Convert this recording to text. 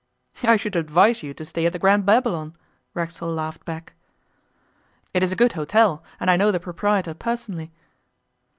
'I should advise you to stay at the Grand Babylon,' Racksole laughed back. 'It is a good hotel, and I know the proprietor personally.